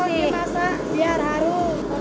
kalau dimasak biar harum